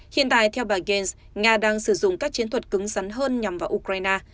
hiện tại theo bà gaines nga đang sử dụng các chiến thuật cứng sắn hơn nhằm vào ukraine